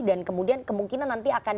kemudian kemungkinan nanti akan